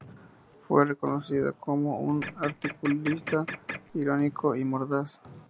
Fue reconocido como un articulista irónico y mordaz.